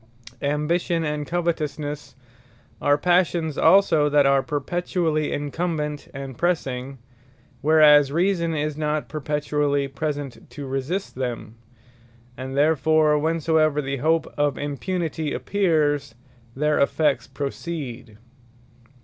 Ambition, and Covetousnesse are Passions also that are perpetually incumbent, and pressing; whereas Reason is not perpetually present, to resist them: and therefore whensoever the hope of impunity appears, their effects proceed.